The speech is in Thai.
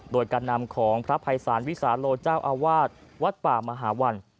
โดยการนำของพระภัยศาลวิสาโลเจ้าอาวาสวัดป่ามหาวัน